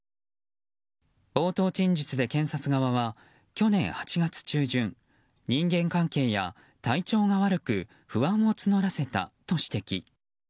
冒頭陳述で検察側は去年８月中旬人間関係や体調が悪く不安を募らせたと指摘。